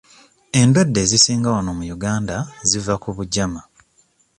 Endwadde ezisinga wano mu Uganda ziva ku bugyama.